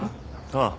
ああ。